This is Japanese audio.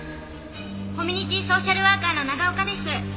コミュニティーソーシャルワーカーの長岡です。